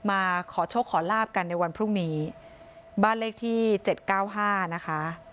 มาขอโชคขอลาบกันในวันพรุ่งนี้บ้านเลขที่เจ็ดเก้าห้านะคะ